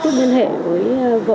thực hiện việc cứu nạn cứu hộ